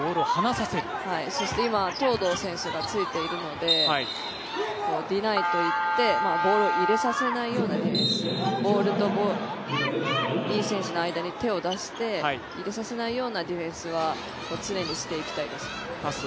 そして今、東藤選手がついているのでディナイといって、ボールを入れさせないようにするディフェンス、ボールとリ選手の間に手を出して入れさせないようなディフェンスは常にしていきたいです。